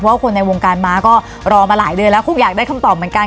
ว่าคนในวงการม้าก็รอมาหลายเดือนแล้วคงอยากได้คำตอบเหมือนกัน